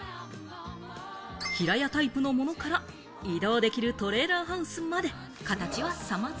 平屋タイプのものから移動できるトレーラーハウスまで形は様々。